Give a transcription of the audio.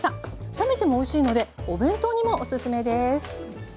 冷めてもおいしいのでお弁当にもおすすめです。